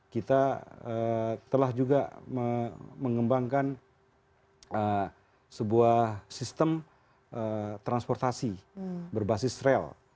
kita telah juga mengembangkan sebuah sistem transportasi berbasis rel